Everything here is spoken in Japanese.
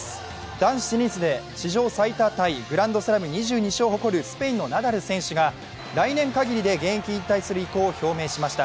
男子テニスで史上最多タイグランドスラム２２勝を誇るスペインのナダル選手が来年限りで現役を引退する意向を表明しました。